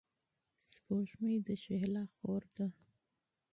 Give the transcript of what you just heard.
سپوږمۍ د شهلا خور ده.